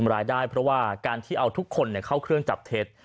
รายได้เพราะว่าการที่เอาทุกคนเข้าเครื่องจับเท็จ